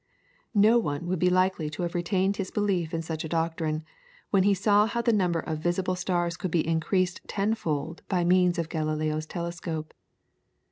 No one would be likely to have retained his belief in such a doctrine when he saw how the number of visible stars could be increased tenfold by means of Galileo's telescope.